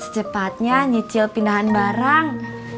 cepatnya nyicil pindahan barang